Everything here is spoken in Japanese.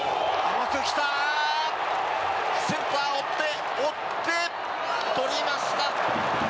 センター追って追って捕りました。